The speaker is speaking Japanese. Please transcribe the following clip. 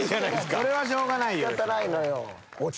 それはしょうがないよ。